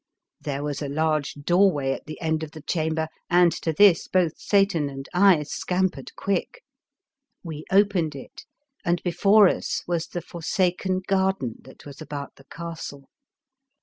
There was a large doorway at the end of the chamber, and to this both Satan and I scampered quick. We opened it, and before us was the forsaken garden that was about the castle.